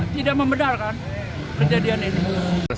tidak membedarkan kejadian ini